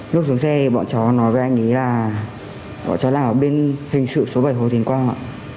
lúc xuống xe bọn cháu nói với anh ấy là bọn cháu đang ở bên hình sự số bảy hồ thiên quang